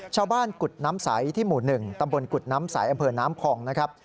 ชาวบ้านกุฎน้ำสายที่หมู่๑ตำบลกุฎน้ำสายอำเภอน้ำคลองนะครับ